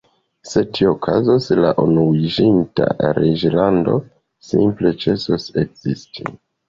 Se tio okazos, la Unuiĝinta Reĝlando simple ĉesos ekzisti.